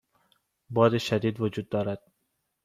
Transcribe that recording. باد شدید وجود دارد.